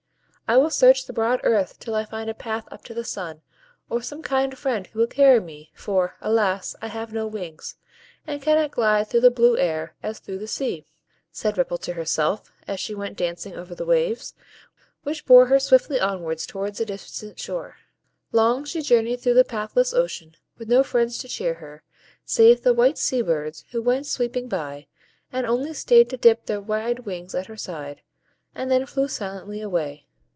"I will search the broad earth till I find a path up to the sun, or some kind friend who will carry me; for, alas! I have no wings, and cannot glide through the blue air as through the sea," said Ripple to herself, as she went dancing over the waves, which bore her swiftly onward towards a distant shore. Long she journeyed through the pathless ocean, with no friends to cheer her, save the white sea birds who went sweeping by, and only stayed to dip their wide wings at her side, and then flew silently away.